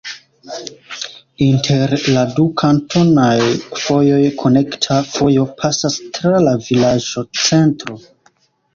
Inter la du kantonaj fojoj konekta vojo pasas tra la vilaĝocentro.